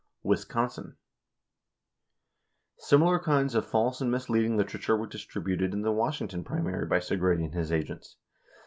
77 Wisconsin: Similar kinds of false and misleading literature were distributed in the Wisconsin primary by Segretti and his agents.